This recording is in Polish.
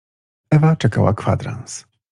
Ewa czekaia kwadrans.